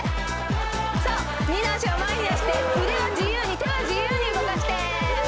そう２の足を前に出して腕は自由に手は自由に動かして！